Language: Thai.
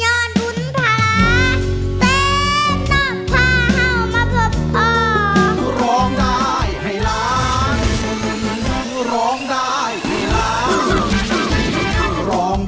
แคลพร้อมจะสู้หรือยังครับ